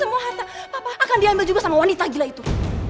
semua harta akan diambil juga sama wanita gila itu